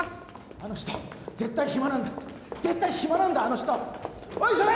あの人絶対暇なんだ絶対暇なんだあの人おい急げ！